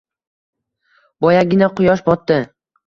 Boyagina quyosh botdi